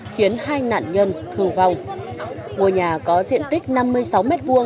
khiến hai nạn nhân tử vong ngôi nhà có diện tích năm mươi sáu m hai